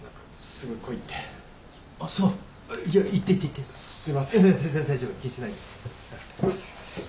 すいません。